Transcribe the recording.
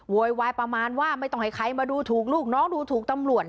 โวยวายประมาณว่าไม่ต้องให้ใครมาดูถูกลูกน้องดูถูกตำรวจ